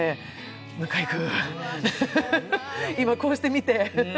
向井君、今こうして見て。